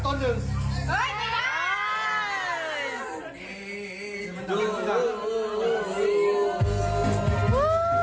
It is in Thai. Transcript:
โอ้โฮมันมีคุณแบบนี้นะคะมีความสุขมากนะ